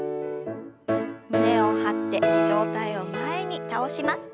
胸を張って上体を前に倒します。